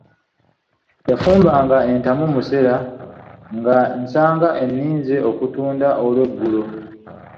Yafumbanga entamu musera nga nsanga enninze okutunda olweggulo.